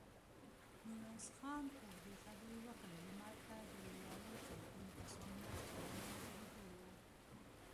ميرويس خان اوږدې خبرې وکړې، لمر ته د ولاړو زرګونو کسانو سرونه ځړېدلي وو.